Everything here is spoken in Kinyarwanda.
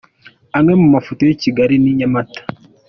Amwe mu mafoto y’i Kigali n’i Nyamata :.